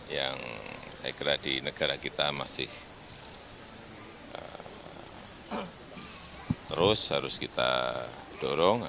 yang saya kira di negara kita masih terus harus kita dorong